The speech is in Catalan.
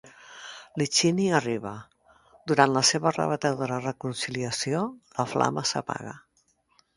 Licini arriba; durant la seva rebatedora reconciliació, la flama s'apaga.